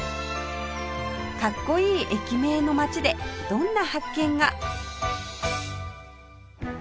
かっこいい駅名の街でどんな発見が？